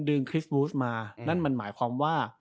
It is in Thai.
คริสบูสมานั่นมันหมายความว่า